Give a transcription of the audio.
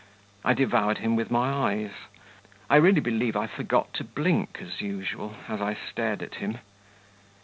I devoured him with my eyes; I really believe I forgot to blink as usual, as I stared at him.